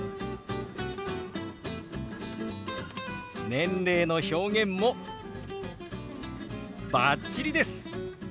年齢の表現もバッチリです！